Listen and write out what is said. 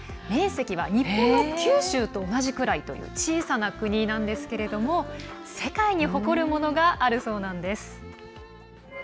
面積は日本の九州と同じぐらいという小さな国なんですけれども世界に誇るものがあるそうなんです。